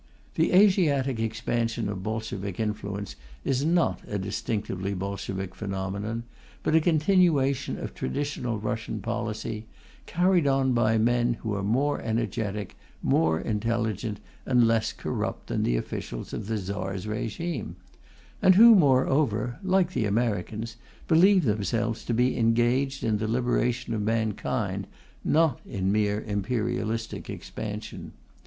The Asiatic expansion of Bolshevik influence is not a distinctively Bolshevik phenomenon, but a continuation of traditional Russian policy, carried on by men who are more energetic, more intelligent, and less corrupt than the officials of the Tsar's régime, and who moreover, like the Americans, believe themselves to be engaged in the liberation of mankind, not in mere imperialistic expansion.